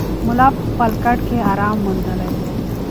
ملا په خپل کټ کې ارام موندلی و.